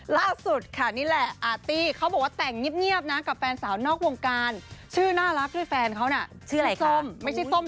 ล่าสุดนี่แหละอาร์ตี้แบบว่าแต่งเงียบกับแฟนสาวนอกวงการชื่อน่ารักด้วยแฟนเขานะคือซมไม่ใช่ซมธรรมดา